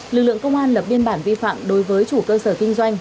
lực lượng công an lập biên bản vi phạm đối với chủ cơ sở kinh doanh